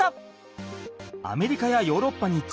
アメリカやヨーロッパに中南米。